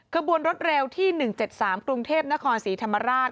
ขบวนรถเร็วที่๑๗๓กรุงเทพนครศรีธรรมราช